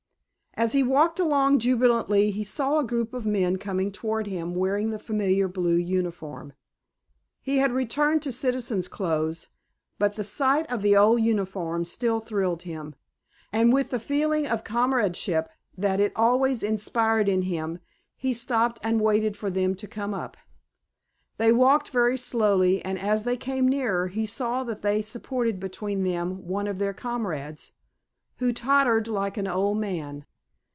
As he walked along jubilantly he saw a group of men coming toward him wearing the familiar blue uniform. He had returned to citizen's clothes, but the sight of the old uniform still thrilled him, and with the feeling of comradeship that it always inspired in him he stopped and waited for them to come up. They walked very slowly, and as they came nearer he saw that they supported between them one of their comrades, who tottered like an old man.